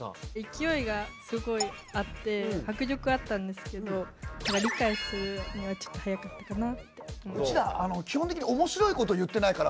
勢いがすごいあって迫力あったんですけど理解するにはちょっとはやかったかなって。